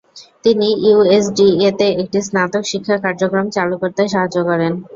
তিনি ইউএসডিএ তে একটি স্নাতক শিক্ষা কার্যক্রম চালু করতে সাহায্য করেন।